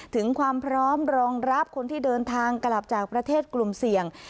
ถึงความพร้อมรองรับคนที่เดินทางกลับจากประเทศกลุ่มเสี่ยง